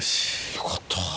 よかった。